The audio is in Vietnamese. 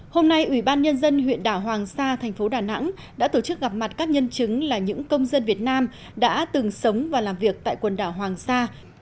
hôm nay ủy ban nhân dân huyện đảo hoàng sa thành phố đà nẵng đã tổ chức gặp mặt các nhân chứng là những công dân việt nam đã từng sống và làm việc tại quần đảo hoàng sa